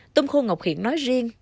tôm khô ngọc hiện nói riêng